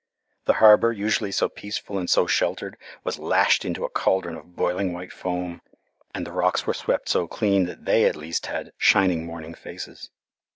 The harbour, usually so peaceful and so sheltered, was lashed into a cauldron of boiling white foam, and the rocks were swept so clean that they at least had "shining morning faces."